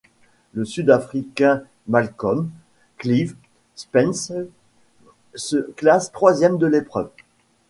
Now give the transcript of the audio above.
Le Sud-africain Malcolm Clive Spence se classe troisième de l'épreuve.